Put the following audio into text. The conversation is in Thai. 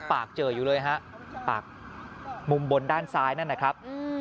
ปากเจออยู่เลยฮะปากมุมบนด้านซ้ายนั่นนะครับ